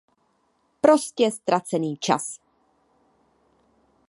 Prostě ztracený čas.